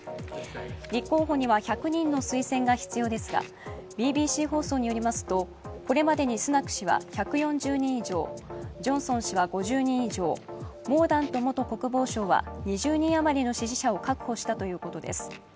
立候補には１００人の推薦が必要ですが、ＢＢＣ放送によりますとこれまでにスナク氏は１４０人以上、ジョンソン氏は５０人以上、モーダント元国防相は２０人余りの支持者を確保したということです。